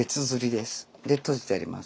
で綴じてあります。